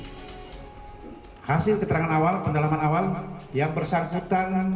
hasil keterangan awal pendalaman awal yang bersangkut tangan